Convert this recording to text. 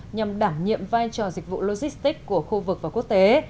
nhằm đảm nhiệm vai trò dịch vụ logistics của khu vực và quốc tế